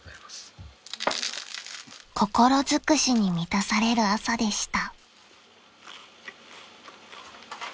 ［心尽くしに満たされる朝でした］